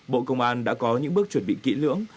bộ công an đã có những bước chuẩn bị kỹ lưỡng